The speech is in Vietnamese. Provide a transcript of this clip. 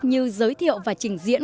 như giới thiệu và trình diễn